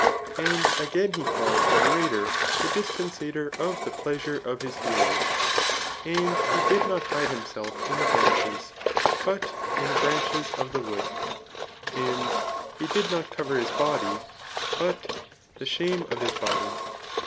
And [again he calls tt orator] the dispensator CHAP. lU. RHBTOMC US of ike pleasure of the hearers: And, he did not hide bimse^in the brancheSyhjlt in the branches qf the wood^ And, he did not cover his hody^ but the shame qf his body.